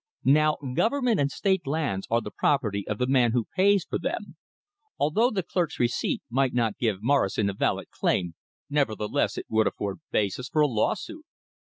Now Government and State lands are the property of the man who pays for them. Although the clerk's receipt might not give Morrison a valid claim; nevertheless it would afford basis for a lawsuit.